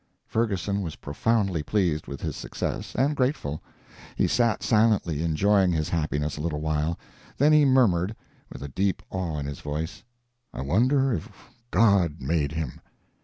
Ferguson was profoundly pleased with his success, and grateful. He sat silently enjoying his happiness a little while, then he murmured, with a deep awe in his voice, "I wonder if God made him?"